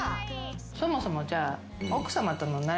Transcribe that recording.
そもそもじゃあ。